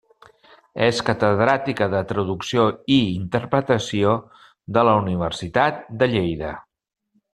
És catedràtica de Traducció i Interpretació de la Universitat de Lleida.